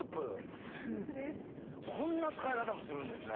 こんな使い方もするんですね。